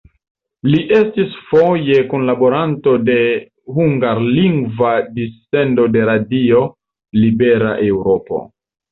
Li estis foje kunlaboranto de hungarlingva dissendo de Radio Libera Eŭropo.